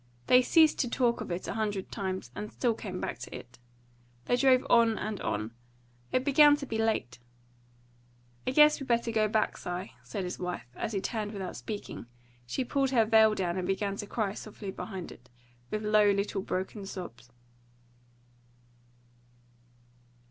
They ceased to talk of it a hundred times, and still came back to it. They drove on and on. It began to be late. "I guess we better go back, Si," said his wife; and as he turned without speaking, she pulled her veil down and began to cry softly behind it, with low little broken sobs.